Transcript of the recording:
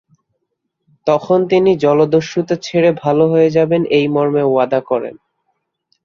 তখন তিনি জলদস্যুতা ছেড়ে ভাল হয়ে যাবেন এই মর্মে ওয়াদা করেন।